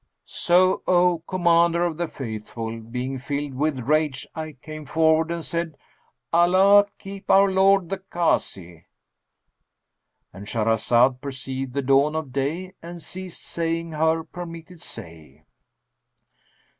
So, O Commander of the Faithful, being filled with rage, I came forward and said, 'Allah keep our lord the Kazi!'"—And Shahrazad perceived the dawn of day and ceased saying her permitted say.